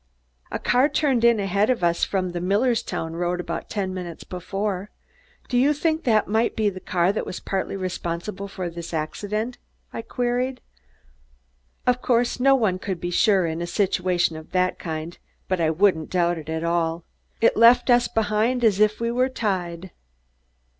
"A car turned in ahead of us from the Millerstown Road about ten minutes before." "Do you think that might have been the car that was partly responsible for this accident?" I queried. "Of course, no one could be sure in a situation of that kind, but I wouldn't doubt it at all. It left us behind as if we were tied."